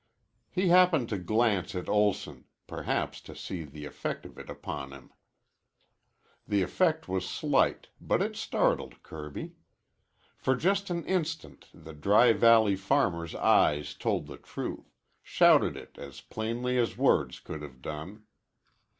He happened to glance at Olson, perhaps to see the effect of it upon him. The effect was slight, but it startled Kirby. For just an instant the Dry Valley farmer's eyes told the truth shouted it as plainly as words could have done.